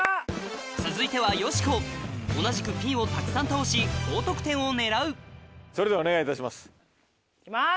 続いてはよしこ同じくピンをたくさん倒し高得点を狙うそれではお願いいたします。